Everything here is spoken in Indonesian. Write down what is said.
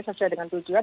sesuai dengan tujuan